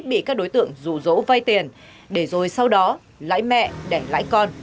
bị các đối tượng rủ rỗ vây tiền để rồi sau đó lãi mẹ để lãi con